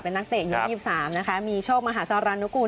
เป็นนักเตะยุค๒๓มีโชคมหาศาลานกูล